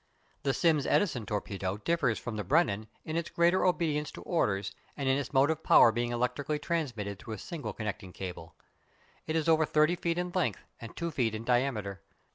The Sims Edison torpedo differs from the Brennan in its greater obedience to orders and in its motive power being electrically transmitted through a single connecting cable. It is over thirty feet in length and two feet in diameter.